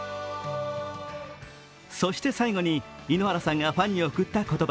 そして最後に井ノ原さんがファンに贈った言葉。